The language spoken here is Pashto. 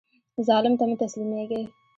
ظالم ته مه تسلیمیږئ